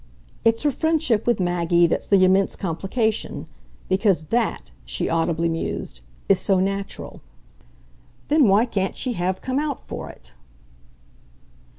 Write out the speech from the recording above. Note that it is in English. "It's her friendship with Maggie that's the immense complication. Because THAT," she audibly mused, "is so natural." "Then why can't she have come out for it?"